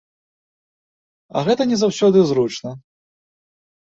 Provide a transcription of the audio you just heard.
А гэта не заўсёды зручна.